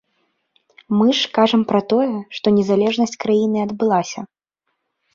Мы ж кажам пра тое, што незалежнасць краіны адбылася.